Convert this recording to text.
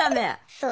そう。